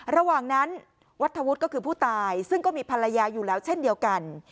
ระหว่างนั้นวัฒวุฒิก็คือผู้ตายซึ่งก็มีภรรยาอยู่แล้วเช่นเดียวกัน